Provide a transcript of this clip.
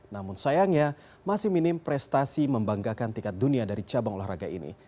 namun sayangnya masih minim prestasi membanggakan tingkat dunia dari cabang olahraga ini